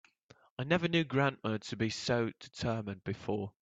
I never knew grandma to be so determined before.